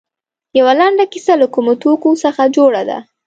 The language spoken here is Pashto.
یوه لنډه کیسه له کومو توکو څخه جوړه ده.